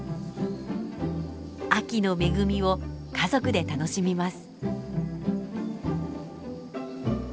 秋の恵みを家族で楽しみます。